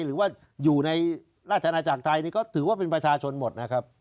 หรือว่าอยู่ในราชนาจักรไทยนี่ก็ถือว่าเป็นประชาชนหมดนะครับ